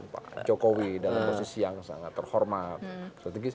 pak jokowi dalam posisi yang sangat terhormat strategis